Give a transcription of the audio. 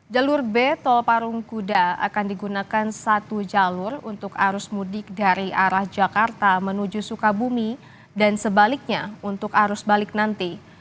jalur b tol parung kuda akan digunakan satu jalur untuk arus mudik dari arah jakarta menuju sukabumi dan sebaliknya untuk arus balik nanti